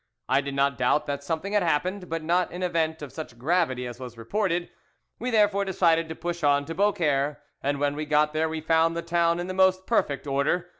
I did not doubt that something had happened, but not an event of such gravity as was reported. We therefore decided to push on to Beaucaire, and when we got there we found the town in the most perfect order.